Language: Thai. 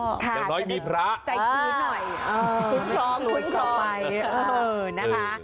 ค่ะแต่ร้อยมีพระใจชื้อหน่อยเออคุ้นครองคุ้นครองเออนะคะ